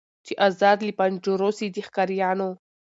چي آزاد له پنجرو سي د ښکاریانو